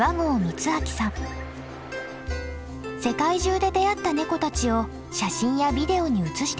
世界中で出会ったネコたちを写真やビデオに写してきました。